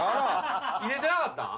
入れてなかったん？